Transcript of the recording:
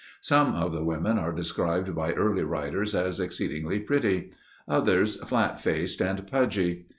Some of the women are described by early writers as "exceedingly pretty." Others, "flat faced and pudgy."